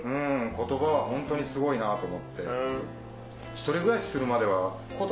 言葉はホントにすごいなと思って。